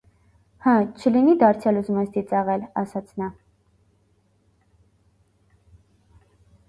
- Հը, չլինի՞ դարձյալ ուզում ես ծիծաղել,- ասաց նա: